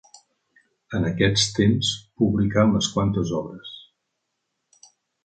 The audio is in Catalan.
En aquests temps publicà unes quantes obres.